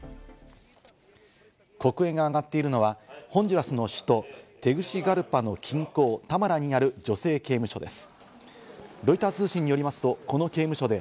黒煙が上がっているのはホンジュラスの首都テグシガルパの近郊タマラにある女性刑務所です。